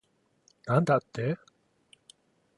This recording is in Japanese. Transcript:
なんだって